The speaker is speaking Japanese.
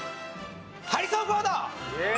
ハリソン・フォード！